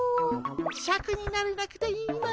シャクになれなくていいの？